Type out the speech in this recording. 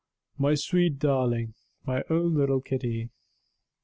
"My sweet darling! my own little Kitty!"